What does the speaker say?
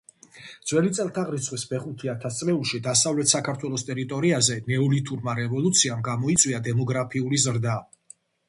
ძვ. წ. V ათასწლეულში დასავლეთ საქართველოს ტერიტორიაზე ნეოლითურმა რევოლუციამ გამოიწვია დემოგრაფიული ზრდა,